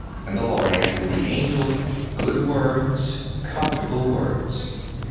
And the Lord answered the angel ... good words, comfortable words."